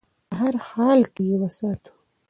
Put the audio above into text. په هر حال کې یې وساتو.